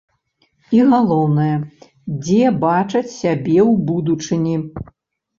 І галоўнае, дзе бачаць сябе ў будучыні?